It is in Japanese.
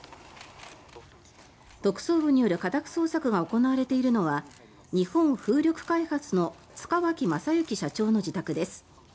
特捜部による家宅捜索が行われているのは日本風力開発の塚脇正幸社長の自宅です。